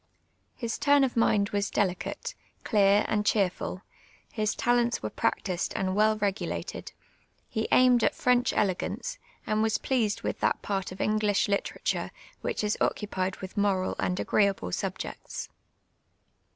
His turn of mind was delicate, clear, and cheerful, his talents were practised and ■>vell reu; ulated, he aimed at French elejijancc, and was pleased %vith that part of English literature which is occu])ied \\ ilh moral and agreeable subjects.